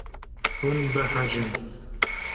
Hûn behecîn.